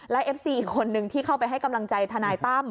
และเอฟซีอีกคนนึงที่เข้าไปให้กำลังใจทนายตั้ม